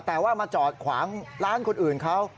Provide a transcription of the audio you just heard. แต่ว่ามาจอดขวางร้านคนอื่นเขา